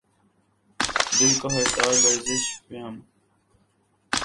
دل کا ہر تار لرزش پیہم